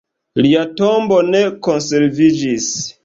Lia tombo ne konserviĝis.